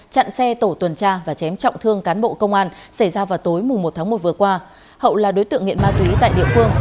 chặn xe tổ tuần tra và chém trọng thương cán bộ công an xảy ra vào tối một tháng một vừa qua hậu là đối tượng nghiện ma túy tại địa phương